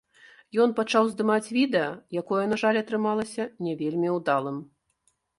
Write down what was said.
Ён пачаў здымаць відэа, якое, на жаль, атрымалася не вельмі ўдалым.